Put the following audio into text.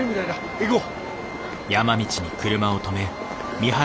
行こう。